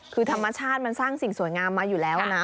คือธรรมชาติมันสร้างสิ่งสวยงามมาอยู่แล้วนะ